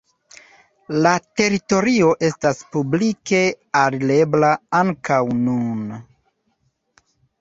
La teritorio estas publike alirebla ankaŭ nun.